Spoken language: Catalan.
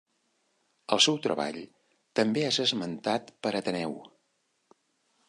El seu treball també és esmentat per Ateneu.